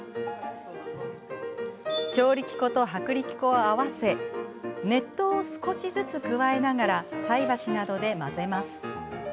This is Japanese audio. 強力粉と薄力粉を合わせ熱湯を少しずつ加えながら菜箸などで混ぜます。